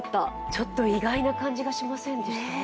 ちょっと意外な感じがしませんでした？